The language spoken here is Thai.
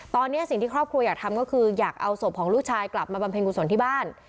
ตอนนี้สิ่งที่ครอบครัวอยากทำก็คืออยากเอาศพของลูกชายกลับมาบำเพ็ญกุศลที่บ้าน